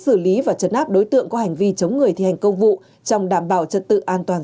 xử lý và trật áp đối tượng có hành vi chống người thi hành công vụ trong đảm bảo trật tự an toàn